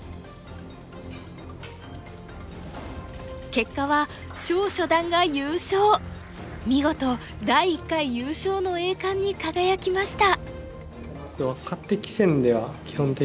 結果は見事第１回優勝の栄冠に輝きました。